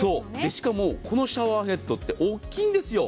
しかもこのシャワーヘッドって大きいんですよ。